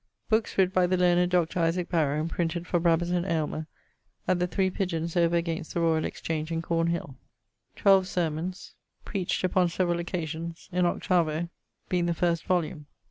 Bookes writ by the learned Dr. Isaac Barrow and printed for Brabazon Aylmer at the Three Pidgeons over against the Royall Exchange in Cornhill: 12 Sermons preached upon severall occasions; in 8vo, being the first volume.